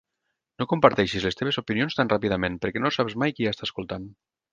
No comparteixis les teves opinions tan ràpidament perquè no saps mai qui està escoltant.